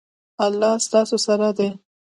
الله ستاسو سره دی